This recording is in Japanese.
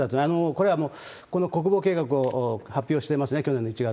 これはこの国防計画を発表していますね、去年の１月。